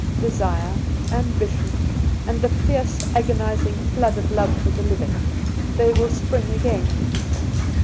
Desire, ambition, and the fierce agonizing flood of love for the living they will spring again.